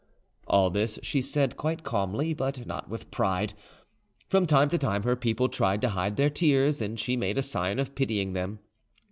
All this she said quite calmly, but not with pride. From time to time her people tried to hide their tears, and she made a sign of pitying them.